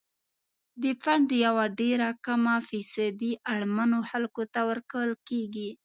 د فنډ یوه ډیره کمه فیصدي اړمنو خلکو ته ورکول کیږي.